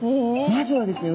まずはですね